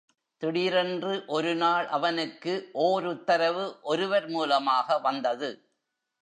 திடீரென்று ஒருநாள் அவனுக்கு ஓர் உத்தரவு ஒருவர் மூலமாக வந்தது.